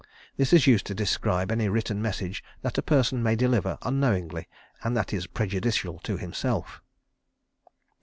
This is used to describe any written message that a person may deliver, unknowingly, and that is prejudicial to himself.